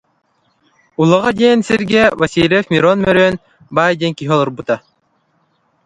Улаҕа диэн сиргэ Васильев Мирон-Мөрүөн баай диэн киһи олорбута